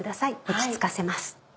落ち着かせます。